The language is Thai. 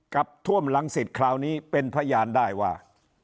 กับท่วมหลังสิทธิ์คราวนี้เป็นพยานได้ว่า